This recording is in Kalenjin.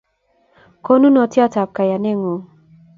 Konunotiot ab kayanet ng'uung